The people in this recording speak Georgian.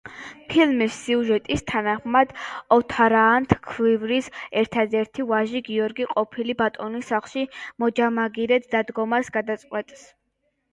ფილმის სიუჟეტის თანახმად, ოთარაანთ ქვრივის ერთადერთი ვაჟი გიორგი ყოფილი ბატონის სახლში მოჯამაგირედ დადგომას გადაწყვეტს.